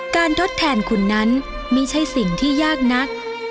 ทดแทนคุณนั้นไม่ใช่สิ่งที่ยากนัก